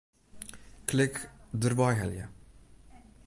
Klik Dêrwei helje.